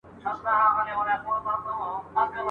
په زندان کي یې آغازي ترانې کړې ..